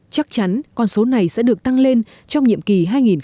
chắc chắn con số này sẽ được tăng lên trong nhiệm kỳ hai nghìn hai mươi hai nghìn hai mươi năm